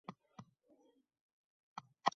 Hududning birinchi gubernatori U